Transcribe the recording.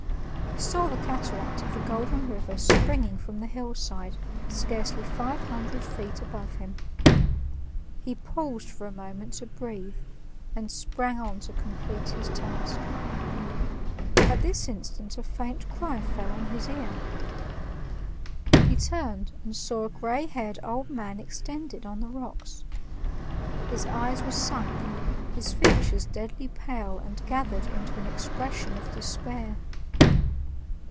He saw the cataract of the Golden River springing from the hillside scarcely five hundred feet above him. He paused for a moment to breathe, and sprang on to complete his task. At this instant a faint cry fell on his ear. He turned, and saw a gray haired old man extended on the rocks. His eyes were sunk, his features deadly pale and gathered into an expression of despair.